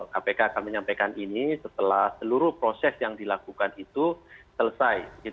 kpk akan menyampaikan ini setelah seluruh proses yang dilakukan itu selesai